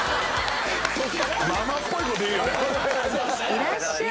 いらっしゃい！